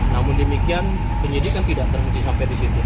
namun demikian penyidik kan tidak terhenti sampai disitu